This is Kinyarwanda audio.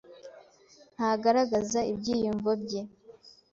Ntagaragaza ibyiyumvo bye.